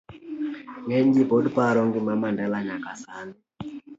C. Ng'eny ji pod paro ngima Mandela nyaka sani